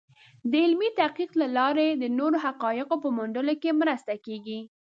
د علمي تحقیق له لارې د نوو حقایقو په موندلو کې مرسته کېږي.